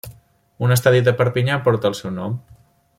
Un estadi de Perpinyà porta sempre el seu nom.